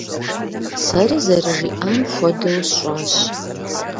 Сэри зэрыжиӀам хуэдэу сщӀащ.